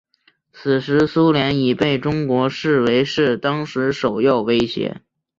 此时苏联已经被中国视为是当时首要威胁。